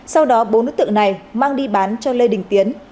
sau đó bốn đối tượng này mang đi bán cho lê đình tiến